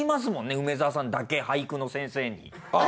梅沢さんだけ俳句の先生に。